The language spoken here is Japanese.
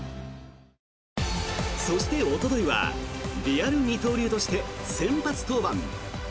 そして、おとといはリアル二刀流として先発登板。